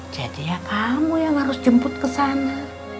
jadi ya kamu yang harus jemput kesana